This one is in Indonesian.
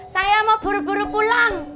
saya mau buru buru pulang